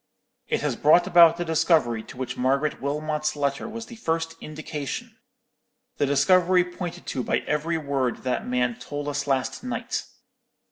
It has brought about the discovery to which Margaret Wilmot's letter was the first indication—the discovery pointed to by every word that man told us last night.